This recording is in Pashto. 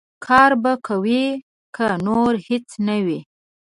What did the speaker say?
کار به کوې، که نور هېڅ نه وي.